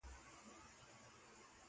Novo reino, que tanto sublimaram.